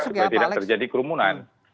supaya tidak terjadi kerumunan